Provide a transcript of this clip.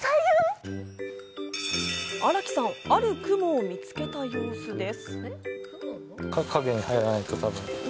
荒木さん、ある雲を見つけた様子です。